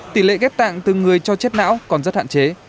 tỷ lệ ghép tạng từ người cho chết não còn rất hạn chế